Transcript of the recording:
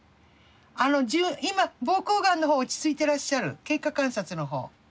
あの今膀胱がんのほうは落ち着いてらっしゃる経過観察のほう。